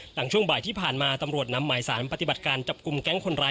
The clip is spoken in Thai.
ช่วงบ่ายที่ผ่านมาตำรวจนำหมายสารปฏิบัติการจับกลุ่มแก๊งคนร้าย